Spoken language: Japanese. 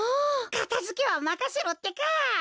かたづけはまかせろってか！